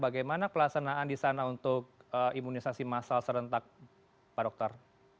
bagaimana pelaksanaan di sana untuk imunisasi massal serentak pak dokter